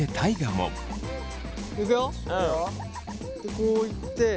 こういって。